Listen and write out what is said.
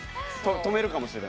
止めるかもしれない。